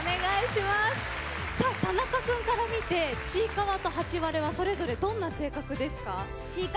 田中君から見てちいかわとハチワレはそれぞれどんな性格ですか？